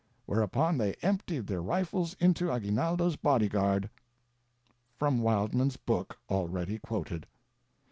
whereupon they emptied their rifles into Aguinaldo's bodyguard." — From Wild man's book, already quoted.